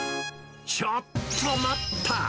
ちょっと待った！